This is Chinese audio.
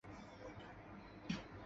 殿试登进士第二甲第四十八名。